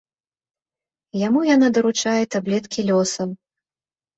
Яму яна даручае таблеткі лёсаў.